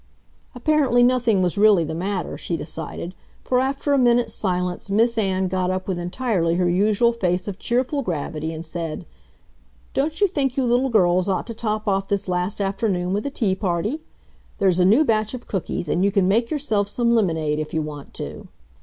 Apparently nothing was really the matter, she decided, for after a minute's silence Miss Ann got up with entirely her usual face of cheerful gravity, and said: "Don't you think you little girls ought to top off this last afternoon with a tea party? There's a new batch of cookies, and you can make yourselves some lemonade if you want to."